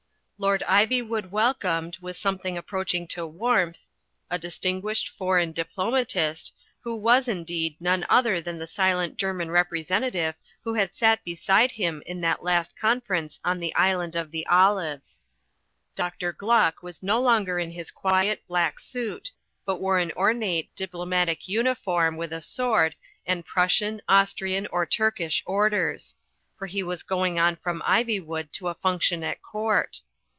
Lord Ivywood welcomed, with something approaching to warmth, a distinguished foreign diplomatist, who was, indeed, none other than that silent German representative who had sat beside him in that last conference on the Island of the Olives. Dr. Gluck was no longer in his quiet, black suit, but wore an ornate, diplomatic uniform with a sword and Prussian, Austrian or Turkish Orders; for he was going on from Ivjrwood to a function at Court.